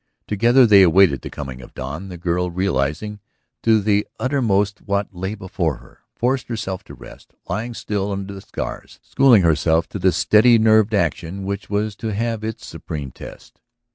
Together they awaited the coming of the dawn. The girl, realizing to the uttermost what lay before her, forced herself to rest, lying still under the stars, schooling herself to the steady nerved action which was to have its supreme test.